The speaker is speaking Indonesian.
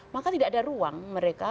maka tidak ada ruang mereka